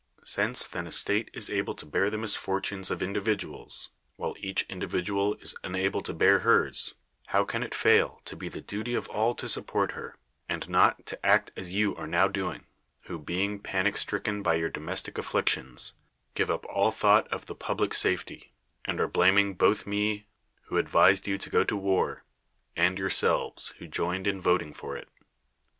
Since then a state is able to bear the misfor tunes of individuals, while each individual is unable to bear hers, how can it fail to be the duty of all to support her, and not to act as you are now doing, who, being panic stricken by your domestic afflictions, give up all thought of the public safety, and are blaming both me who ad vised you to go to war, and yourselves who joined in voting for it.